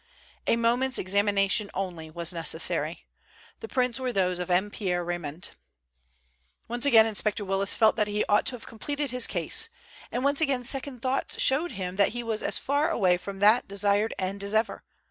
A moment's examination only was necessary. The prints were those of M. Pierre Raymond. Once again Inspector Willis felt that he ought to have completed his case, and once again second thoughts showed him that he was as far away from that desired end as ever.